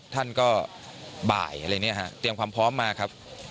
ท่านก็บ่ายอะไรอย่างนี้ฮะเตรียมความพร้อมมาครับ